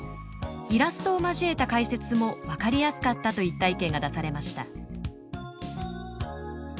イラストを交えた解説も分かりやすかった」といった意見が出されました。